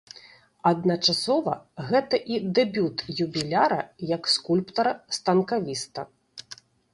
Адначасова гэта і дэбют юбіляра як скульптара-станкавіста.